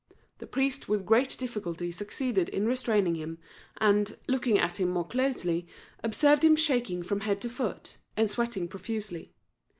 The priest with great difficulty succeeded in restraining him, and, looking at him more closely, observed him shaking from head to foot, and sweating profusely.